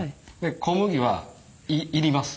小麦は煎ります。